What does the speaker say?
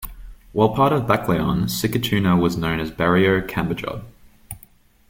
While part of Baclayon, Sikatuna was known as barrio Cambojod.